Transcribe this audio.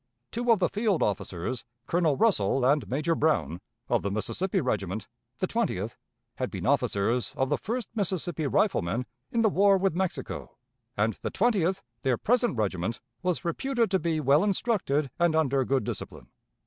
Two of the field officers, Colonel Russell and Major Brown, of the Mississippi regiment, the twentieth, had been officers of the First Mississippi Riflemen in the war with Mexico; and the twentieth, their present regiment, was reputed to be well instructed and under good discipline.